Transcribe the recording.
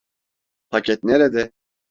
Paket nerede?